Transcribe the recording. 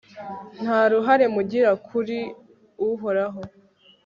nta ruhare mugira kuri uhoraho